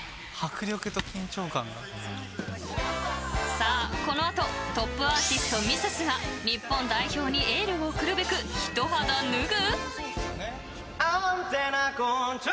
さあ、このあとトップアーティスト、ミセスが日本代表にエールを送るべくひと肌脱ぐ？